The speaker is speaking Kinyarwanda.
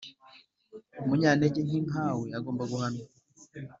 Umunyantegenke nkatwe agomba guhanwa.